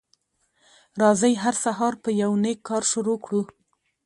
راځی هر سهار په یو نیک کار شروع کړو